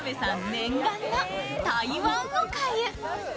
念願の台湾おかゆ。